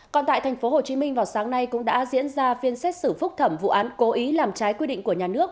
còn tại tp hcm vào sáng nay cũng đã diễn ra phiên xét xử phúc thẩm vụ án cố ý làm trái quy định của nhà nước